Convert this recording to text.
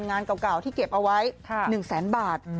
งานเก่าที่เก็บเอาไว้๑แสนบาท